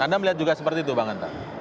anda melihat juga seperti itu bang anta